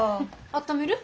あっためる？